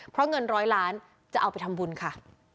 เพราะเงินร้อยล้านจะเอาไปทำบุญค่ะ